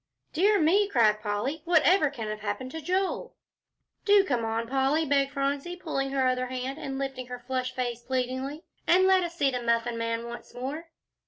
"Dear me!" cried Polly, "whatever can have happened to Joel?" "Do come on, Polly," begged Phronsie, pulling at her other hand, and lifting her flushed face pleadingly, "and let us see the Muffin Man once more."